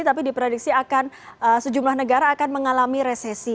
tapi diprediksi akan sejumlah negara akan mengalami resesi